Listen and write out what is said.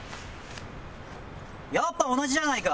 やっぱ同じじゃないか！